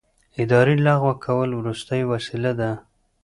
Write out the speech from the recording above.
اداري لغوه کول وروستۍ وسیله ده.